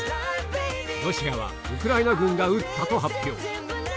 ロシアはウクライナ軍が撃ったと発表